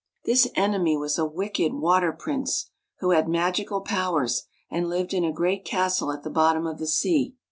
This enemy was a wicked Water Prince, who had magical powers, and lived in a great castle at the bottom of the sea.